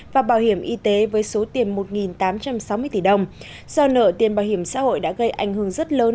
và bảo hiểm y tế với số tiền một tám trăm sáu mươi tỷ đồng do nợ tiền bảo hiểm xã hội đã gây ảnh hưởng rất lớn